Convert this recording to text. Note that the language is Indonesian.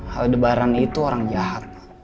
haldebaran itu orang jahat